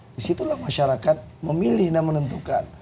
disitulah masyarakat memilih dan menentukan